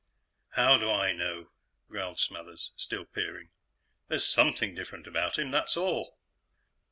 "How do I know?" growled Dr. Smathers, still peering. "There's something different about him, that's all."